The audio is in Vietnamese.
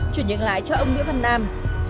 chuyển nhận lại cho ông nguyễn văn nam